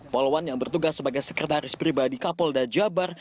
polowan yang bertugas sebagai sekretaris pribadi kapolda jabar